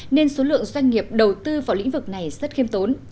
nên số lượng doanh nghiệp đầu tư vào lĩnh vực này rất khiêm tốn